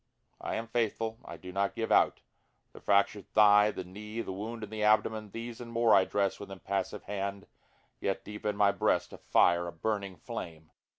I am faithful, I do not give out, The fracturâd thigh, the knee, the wound in the abdomen, These and more I dress with impassive hand, (yet deep in my breast a fire, a burning flame.)